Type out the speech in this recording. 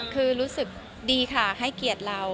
คือรู้สึกดีค่ะให้เกียรติเรา